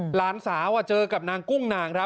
หลานสาวเจอกับนางกุ้งนางครับ